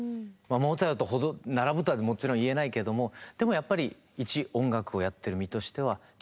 モーツァルトほど並ぶとはもちろん言えないけどもでもやっぱり一「音楽をやってる身」としては誰でも。